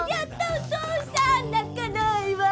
お父さん泣かないわ。